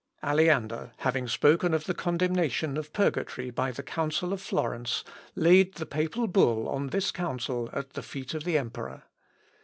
Aleander having spoken of the condemnation of purgatory by the council of Florence, laid the papal bull on this council at the feet of the emperor.